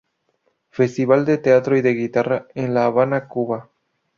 Festival de Teatro y de Guitarra, en La Habana, Cuba.